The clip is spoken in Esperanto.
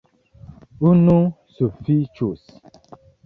Unu sufiĉus.